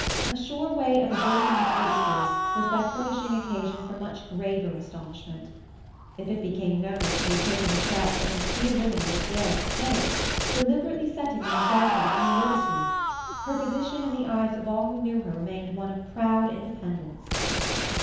A sure way of averting this ridicule was by furnishing occasion for much graver astonishment. If it became known that she had taken a step such as few women would have dared to take—deliberately setting an example of new liberty—her position in the eyes of all who knew her remained one of proud independence.